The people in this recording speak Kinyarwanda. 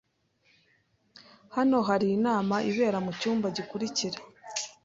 Hano hari inama ibera mucyumba gikurikira.